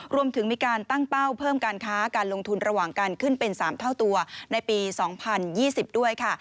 รวมถึงมีการตั้งเป้าเพิ่มการค้าการลงทุนระหว่างการขึ้นเป็น๓เท่าตัวในปี๒๐๒๐ด้วยค่ะ